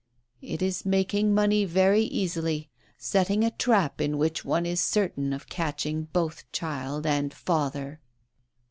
"It is making money very easily, setting a trap in which one is certain of catching both child and father."